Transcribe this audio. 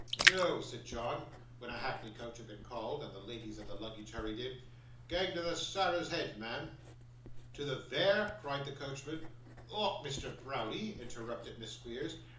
'Noo,' said John, when a hackney coach had been called, and the ladies and the luggage hurried in, 'gang to the Sarah's Head, mun.' 'To the VERE?' cried the coachman. 'Lawk, Mr. Browdie!' interrupted Miss Squeers.